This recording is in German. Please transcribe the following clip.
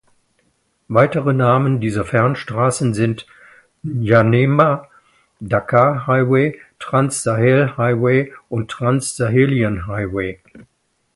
Weitere Namen dieser Fernstraße sind "N’Djamena-Dakar-Highway", Trans-Sahel-Highway und "Trans-Sahelian Highway".